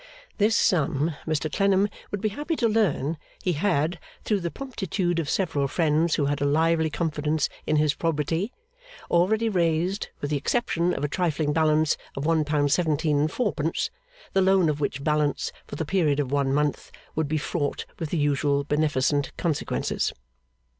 This sum, Mr Clennam would be happy to learn, he had, through the promptitude of several friends who had a lively confidence in his probity, already raised, with the exception of a trifling balance of one pound seventeen and fourpence; the loan of which balance, for the period of one month, would be fraught with the usual beneficent consequences.